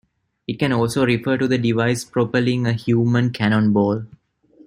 It can also refer to the device propelling a human cannonball.